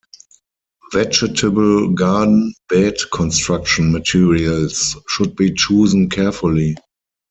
Vegetable garden bed construction materials should be chosen carefully.